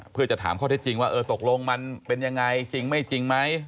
เพื่อจะถามข้อเท็จจริงว่าเออตกลงมันเป็นยังไงจริงไม่จริงไหม